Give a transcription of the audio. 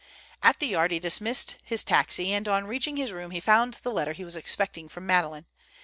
At the Yard he dismissed his taxi, and on reaching his room he found the letter he was expecting from Madeleine.